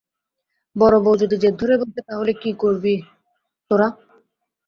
বড়োবউ যদি জেদ ধরে বসে তা হলে কী করবি তোরা?